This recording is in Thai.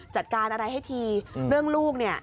จัดการอะไรให้ทีเรื่องลูกเนี่ย